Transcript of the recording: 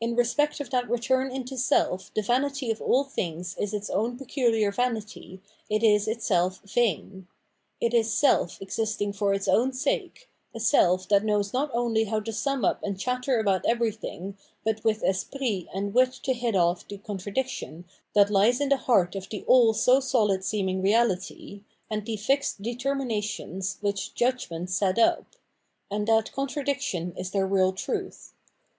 In respect of that return into self the vanity of aU things is its own peculiar vanity, it is itself vain. It is self existing for its own sake, a self that knows not only how to sum up and chatter about everything, but with esprit and wit to hit off the contradiction that hes in the heart of the all so solid seeming reality, and the fixed determinations which judgment sets up ; and that contradiction is their real truth.